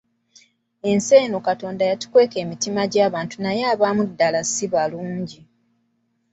Ensi eno Katonda yatukweka emitima gy'abantu naye abamu ddala si balungi.